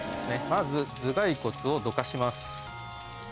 まず頭がい骨をどかします。